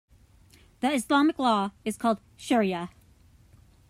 The Islamic law is called shariah.